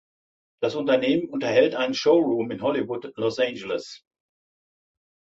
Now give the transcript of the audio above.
Das Unternehmen unterhält einen Showroom in Hollywood, Los Angeles.